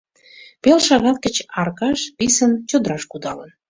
Пел шагат гыч Аркаш писын чодраш кудалын.